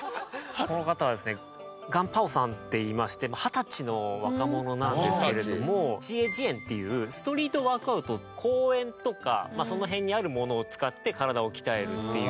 この方はですねガンパオさんっていいまして二十歳の若者なんですけれどもジェージェンっていうストリートワークアウト公園とかその辺にあるものを使って体を鍛えるっていう。